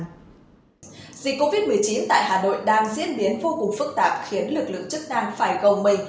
dịch covid một mươi chín tại hà nội đang diễn biến vô cùng phức tạp khiến lực lượng chức năng phải gồng mình